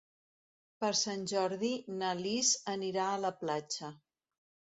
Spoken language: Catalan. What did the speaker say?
Per Sant Jordi na Lis anirà a la platja.